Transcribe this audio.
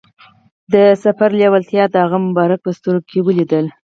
د سفر لیوالتیا یې د هغه مبارک په سترګو کې ولیدله.